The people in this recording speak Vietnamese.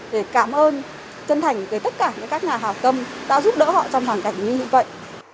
để cảm ơn chân thành với tất cả những các nhà hào tâm đã giúp đỡ họ trong hoàn cảnh như vậy